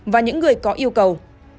và những người có yêu cầu